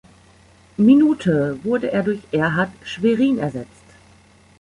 Minute wurde er durch Erhard Schwerin ersetzt.